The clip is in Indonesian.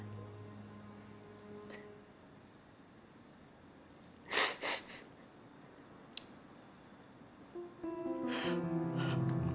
terima kasih ibu